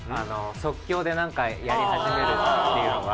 即興でなんかやり始めるっていうのが。